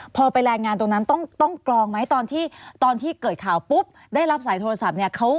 พอไปแรงงานตรงนั้นต้องกรองไหมตอนที่ตอนที่เกิดข่าวปุ๊บได้รับสายโทรศัพท์เนี่ย